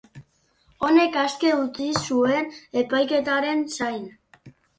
Honek aske utzi zuen, epaiketaren zain.